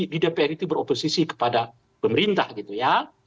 di dpr itu beroposisi kepada pemerintah gitu ya